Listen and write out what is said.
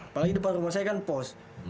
apalagi depan rumah saya kan pos